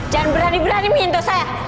jangan berani berani menyentuh saya